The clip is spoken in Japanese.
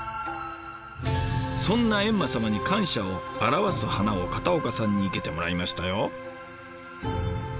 そんな閻魔様に感謝を表す花を片岡さんに生けてもらいましたよ。